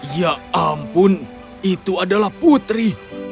ya ampun itu adalah putri